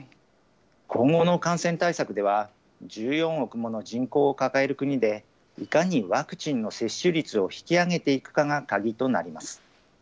今後の感染対策では、１４億もの人口を抱える国で、いかにワクチンの接種率を引き上げていくかが鍵となります。